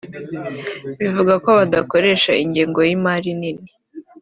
bivuga ko badakoresha ingengo y’imari nini